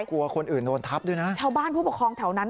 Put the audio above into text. กลัวคนอื่นโดนทับด้วยนะชาวบ้านผู้ปกครองแถวนั้น